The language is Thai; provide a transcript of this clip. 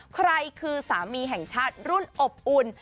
ใครคือสามีแห่งชาติรุ่นอบอุ่น